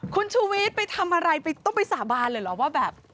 คุณชูวิทย์ไปทำอะไรไปต้องไปสาบานเลยเหรอว่าแบบ